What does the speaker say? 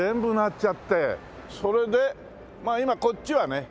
それでまあ今こっちはね